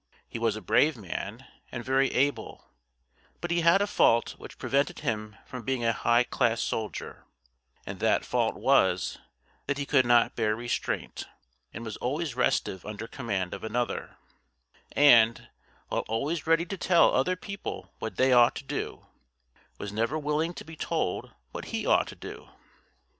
He was a brave man and very able, but he had a fault which prevented him from being a high class soldier; and that fault was, that he could not bear restraint, and was always restive under command of another, and, while always ready to tell other people what they ought to do, was never willing to be told what he ought to do.